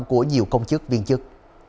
của nhiều công chức viên chức